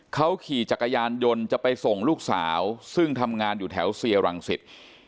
เขาขี่จักรยานยนต์จะไปส่งลูกสาวซึ่งทำงานอยู่แถวเซียรังสิต